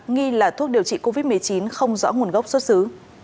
nghi là thuốc điều trị covid một mươi chín không rõ nguồn gốc xuất xứ